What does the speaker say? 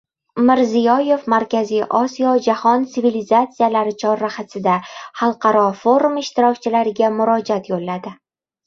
Mirziyoyev «Markaziy Osiyo – jahon sivilizasiyalari chorrahasida» xalqaro forumi ishtirokchilariga murojaat yo‘lladi